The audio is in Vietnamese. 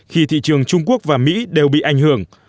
khi thị trường trung quốc và mỹ đều bị ảnh hưởng